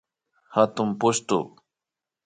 Hatuy pushtu